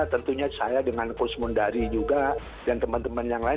tentunya saya dengan coach mundari juga dan teman teman yang lain